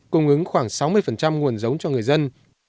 cung ứng khoảng sáu mươi nguồn giống cho người dân